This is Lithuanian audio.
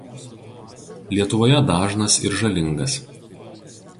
Lietuvoje dažnas ir žalingas.